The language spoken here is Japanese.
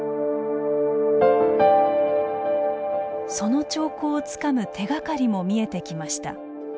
その兆候をつかむ手がかりも見えてきました。